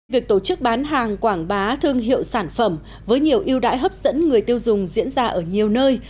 việc tổ chức bán hàng quảng bá thương hiệu sản phẩm với nhiều ưu đãi hấp dẫn người tiêu dùng diễn ra ở nhiều nơi